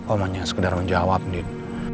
om hanya sekedar menjawab undin